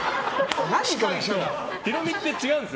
ヒロミって違うんです。